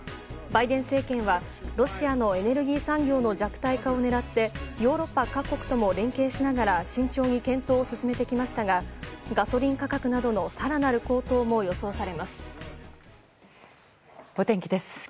バイデン政権はロシアのエネルギー産業の弱体化を狙ってヨーロッパ各国とも連携しながら慎重に検討を進めてきましたがガソリン価格などの更なる高騰も予想されます。